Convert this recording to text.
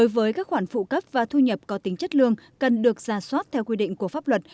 với các khoản phụ cấp và thu nhập có tính chất lương cần được ra soát theo quy định của pháp luật